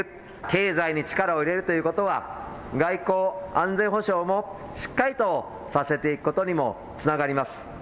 経済に力を入れるということは外交、安全保障もしっかりとさせていくことにもつながります。